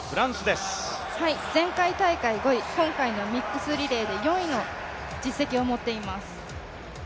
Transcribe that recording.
前回大会５位、今回のミックスリレーで４位の実績を持っています。